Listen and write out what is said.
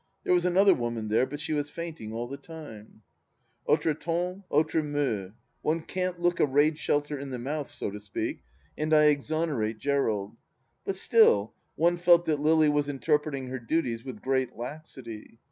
There was another woman there, but she was fainting all the time, ... Autres temps, autres mceurs ! One can't look a raid shelter in the mouth, so to speak, and I exonerate Gerald. But still, one felt that Lily was interpreting her duties with great laxity.